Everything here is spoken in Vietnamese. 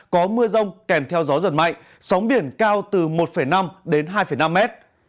có mưa rông kèm theo gió giật mạnh sóng biển cao từ một năm đến hai năm mét